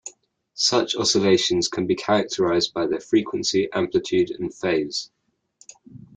Such oscillations can be characterized by their frequency, amplitude and phase.